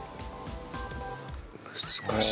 難しい。